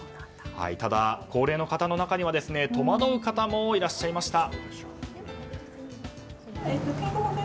ただ、高齢の方の中には戸惑う方もいらっしゃいました。